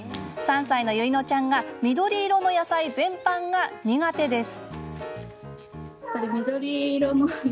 ３歳の唯乃ちゃんが緑色の野菜全般が苦手です。